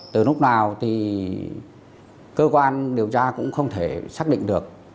thì cơ quan điều tra cũng không thể xác định được